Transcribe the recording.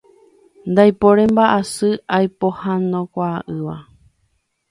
Ndaipóri mbaʼasy oipohãnokuaaʼỹva.